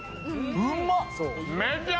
うまっ！